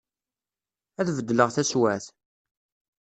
Ad bedleγ taswaԑt.